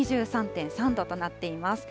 ２３．３度となっています。